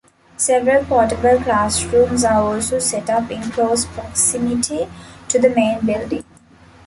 Several portable classrooms are also set up in close proximity to the main building.